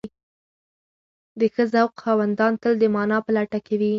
د ښه ذوق خاوندان تل د مانا په لټه کې وي.